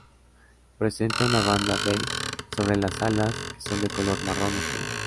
Presenta una banda beige sobre las alas que son de color marrón oscuro.